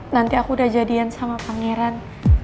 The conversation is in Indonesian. nanti aku udah jadian sama pangeran